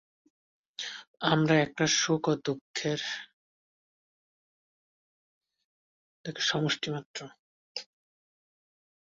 আমরা একরাশ সুখ বা দুঃখের সমষ্টিমাত্র।